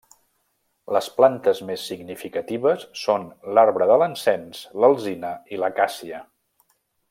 Les plantes més significatives són l'arbre de l'encens, l'alzina i l'acàcia.